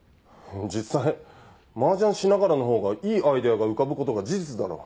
実際麻雀しながらのほうがいいアイデアが浮かぶことは事実だろ。